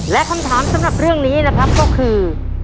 และคำถามสำหรับเรื่องนี้นะครับก็คือ